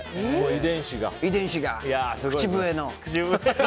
遺伝子が、口笛の。